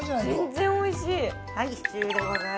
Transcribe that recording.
◆全然おいしい。